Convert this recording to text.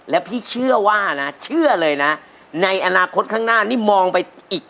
แล้วพี่เชื่อว่านะเชื่อเลยนะในอนาคตข้างหน้านี่มองไปอีก